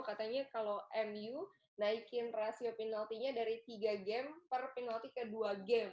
katanya kalau mu naikin rasio penaltinya dari tiga game per penalti ke dua game